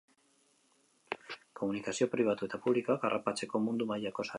Komunikazio pribatu eta publikoak harrapatzeko mundu mailako sarea eraiki zuten.